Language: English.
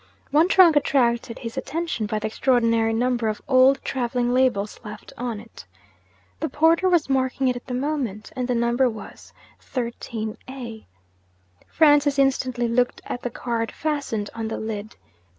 One trunk attracted his attention by the extraordinary number of old travelling labels left on it. The porter was marking it at the moment and the number was, '13 A.' Francis instantly looked at the card fastened on the lid.